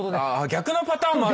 逆のパターンもある。